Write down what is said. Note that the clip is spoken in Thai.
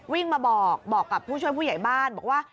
วิ่งมาบอกบอกกับผู้ช่วยผู้ใหญ่บ้านบอกว่า